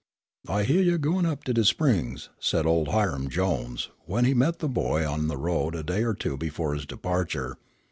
"I hyeah you gwine up to de Springs," said old Hiram Jones, when he met the boy on the road a day or two before his departure.